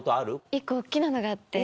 １個大っきなのがあって。